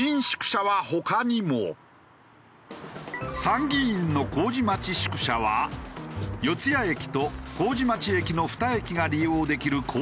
参議院の麹町宿舎は四ツ谷駅と麹町駅の２駅が利用できる好立地。